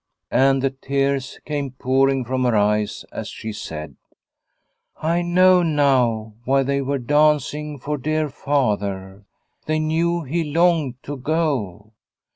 And the tears came pouring from her eyes as she said : "I know now why they were dancing for dear Father. They knew he longed to go.